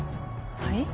はい？